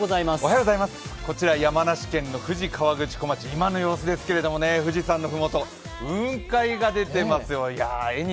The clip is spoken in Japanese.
こちら、山梨県の富士河口湖町、今の様子ですけれども富士山の麓、雲海が出ていますよ